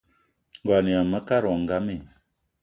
Ngo yama mekad wo ngam i?